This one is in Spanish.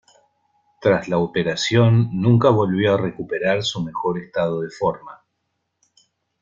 Tras la operación, nunca volvió a recuperar su mejor estado de forma.